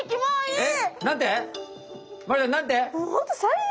えっ！？